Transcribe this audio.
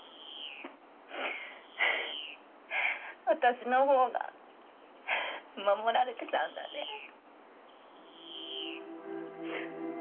私のほうが守られてたんだね。